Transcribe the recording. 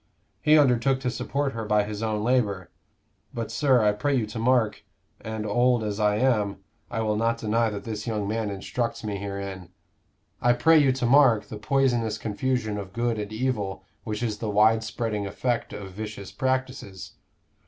He undertook to support her by his own labor; but, sir, I pray you to mark and old as I am, I will not deny that this young man instructs me herein I pray you to mark the poisonous confusion of good and evil which is the wide spreading effect of vicious practices.